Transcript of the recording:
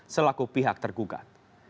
selaku pihak tergugat